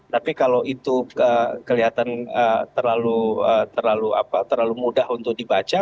tapi kalau itu kelihatan terlalu mudah untuk dibaca